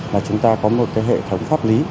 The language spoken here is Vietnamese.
mà chúng ta có một cái hệ thống pháp lý